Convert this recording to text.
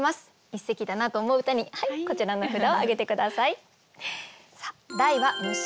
一席だなと思う歌にこちらの札を挙げて下さい。